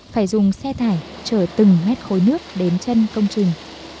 phải dùng xe thải chở từng mét khối nước đến chân công trình